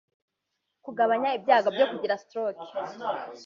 kugabanya ibyago byo kugira stroke